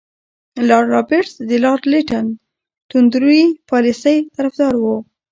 لارډ رابرټس د لارډ لیټن د توندروي پالیسۍ طرفدار وو.